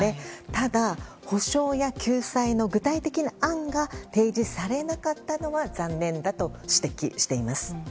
ただ、補償や救済の具体的な案が展示されなかったのは残念だと指摘しています。